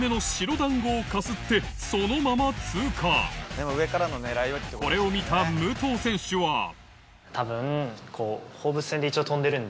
矢はこれを見た武藤選手は多分こう。